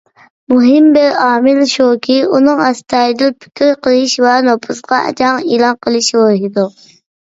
مۇھىم بىر ئامىل شۇكى، ئۇنىڭ ئەستايىدىل پىكىر قىلىش ۋە نوپۇزغا جەڭ ئېلان قىلىش روھىدۇر.